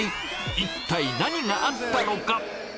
一体何があったのか。